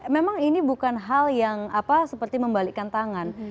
memang ini bukan hal yang seperti membalikkan tangan